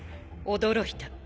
驚いた。